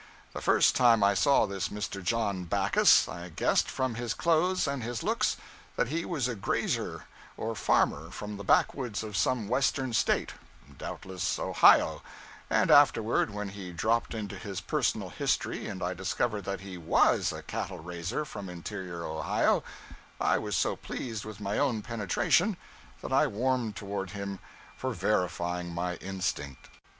The first time I saw this Mr. John Backus, I guessed, from his clothes and his looks, that he was a grazier or farmer from the backwoods of some western State doubtless Ohio and afterward when he dropped into his personal history and I discovered that he _was _a cattle raiser from interior Ohio, I was so pleased with my own penetration that I warmed toward him for verifying my instinct.